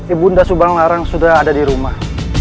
ibu bunda subang larang sudah ada di rumah